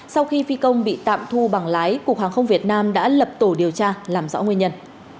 sau khi phi công bị tạm thu bằng lái cục hàng không việt nam đã lập tổ điều tra làm rõ nguyên nhân